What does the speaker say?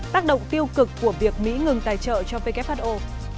tác động tiêu cực của việc mỹ ngừng tài trợ cho who